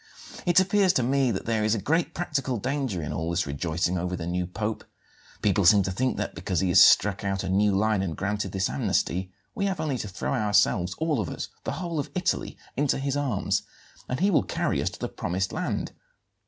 It appears to me that there is a great practical danger in all this rejoicing over the new Pope. People seem to think that, because he has struck out a new line and granted this amnesty, we have only to throw ourselves all of us, the whole of Italy into his arms and he will carry us to the promised land.